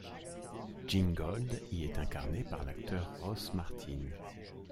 Gingold y est incarné par l'acteur Ross Martin.